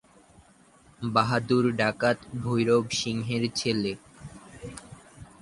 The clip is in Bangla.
বাহাদুর ডাকাত ভৈরব সিংহের ছেলে।